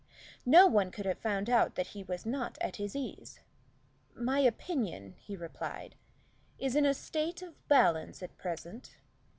No one could have found out that he was not at his ease. "My opinion," he replied, "is in a state of balance at present.